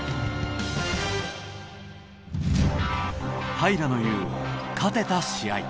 平良の言う勝てた試合